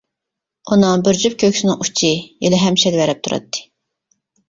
ئۇنىڭ بىر جۈپ كۆكسىنىڭ ئۇچى ھېلىھەم شەلۋەرەپ تۇراتتى.